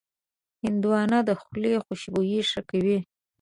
هندوانه د خولې خوشبويي ښه کوي.